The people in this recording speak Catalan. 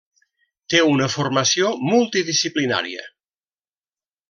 Té una formació multidisciplinària.